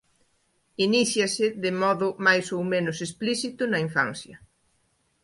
Iníciase de modo máis ou menos explícito na infancia.